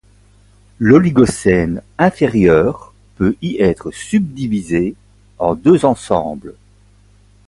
L'oligocène inférieur peut y être subdivisé en deux ensembles.